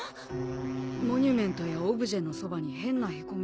モニュメントやオブジェのそばに変なへこみ。